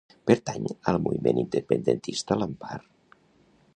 Pertany al moviment independentista l'Ampar?